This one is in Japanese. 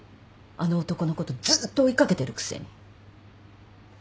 あの男のことずっと追い掛けてるくせに。